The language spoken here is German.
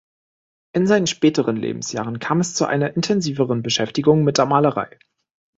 In seinen späteren Lebensjahren kam es zu einer intensiveren Beschäftigung mit der Malerei.